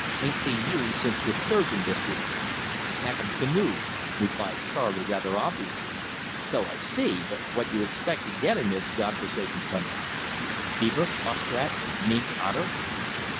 Ain't seen you since th' Sturgeon district." "Mak' 'um canoe," replied Charley rather obviously. "So I see. But what you expect to get in this Godforsaken country?" "Beaver, muskrat, mink, otter."